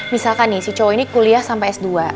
misalkan nih si cowok ini kuliah sampai s dua